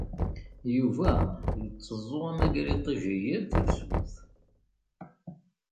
Yuba yetteẓẓu amagriṭij yal tafsut.